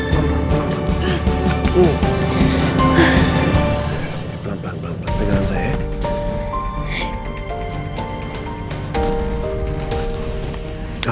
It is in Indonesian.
pelan pelan pelan pelan pegangan saya